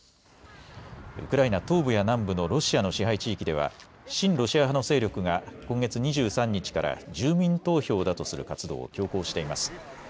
ウクライナ東部や南部のロシアの支配地域では親ロシア派の勢力が今月２３日から住民投票だとする活動を強行しています。